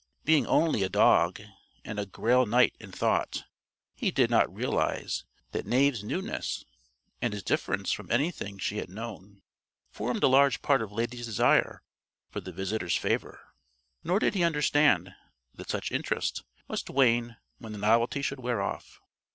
Being only a dog and a Grail knight in thought, he did not realize that Knave's newness and his difference from anything she had known, formed a large part of Lady's desire for the visitor's favor; nor did he understand that such interest must wane when the novelty should wear off.